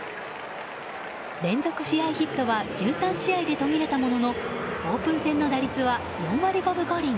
連続試合ヒットは１３試合で途切れたもののオープン戦の打率は４割５分５厘。